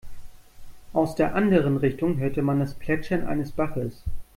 Aus der anderen Richtung hörte man das Plätschern eines Baches.